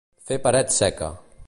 Fer paret seca.